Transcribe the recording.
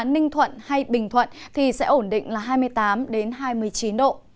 ninh thuận hay bình thuận thì sẽ ổn định là hai mươi tám hai mươi chín độ